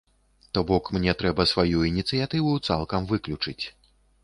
То бок мне трэба сваю ініцыятыву цалкам выключыць.